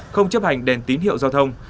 không chấp hành đèn tín hiệu giao thông